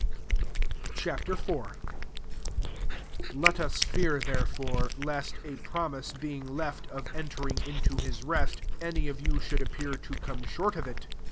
Ch. IV. 1 Let us fear there bre, lest, a promise being left if Altering into his rest, any of ftm should appear to come ^ortofit.